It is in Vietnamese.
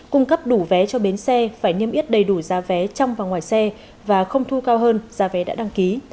cung cấp đủ vé cho bến xe phải niêm yết đầy đủ giá vé trong và ngoài xe và không thu cao hơn giá vé đã đăng ký